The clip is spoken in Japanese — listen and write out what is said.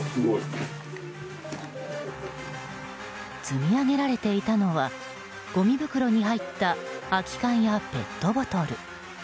積み上げられていたのはごみ袋に入った空き缶やペットボトル。